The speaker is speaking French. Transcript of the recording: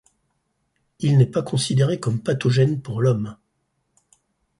Il n'est pas considéré comme pathogène pour l'homme.